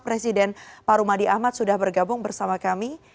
presiden parumadi ahmad sudah bergabung bersama kami